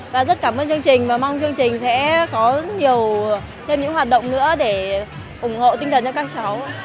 và rất cảm ơn chương trình và mong chương trình sẽ có nhiều thêm những hoạt động nữa để ủng hộ tinh thần cho các cháu